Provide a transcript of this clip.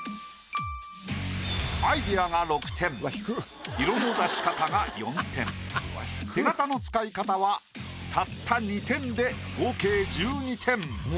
アイディアが６点色の足し方が４点手形の使い方はたった２点で合計１２点。